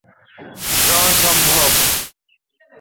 Draw সম্ভব।